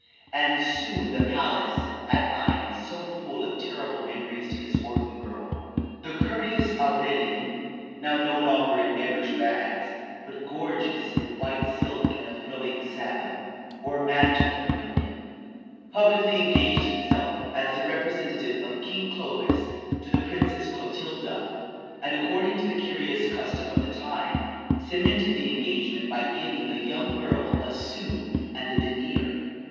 And soon in the palace at Lyons, so full of terrible memories to this orphan girl, the courteous Aurelian, now no longer in beggar's rags, but gorgeous in white silk and a flowing sagum, or mantle of vermilion, publicly engaged himself, as the representative of King Clovis, to the Princess Clotilda; and, according to the curious custom of the time, cemented the engagement by giving to the young girl a sou and a denier.